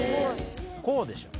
こうでしょ